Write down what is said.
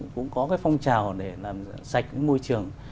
cái môi trường